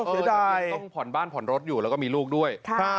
เสียดายต้องผ่อนบ้านผ่อนรถอยู่แล้วก็มีลูกด้วย